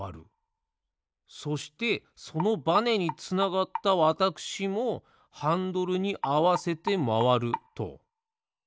そしてそのバネにつながったわたくしもハンドルにあわせてまわると。